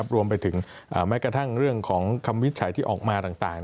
รวมไปถึงแม้กระทั่งเรื่องของคำวินิจฉัยที่ออกมาต่าง